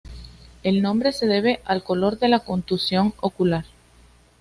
El nombre se debe al color de la contusión ocular.